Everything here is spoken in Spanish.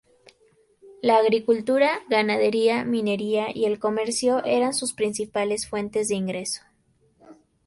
La agricultura, ganadería, minería y el comercio eran sus principales fuentes de ingreso.